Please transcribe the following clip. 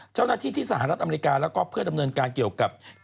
เจ้าหน้าที่ที่สหรัฐอเมริกาแล้วก็เพื่อดำเนินการเกี่ยวกับ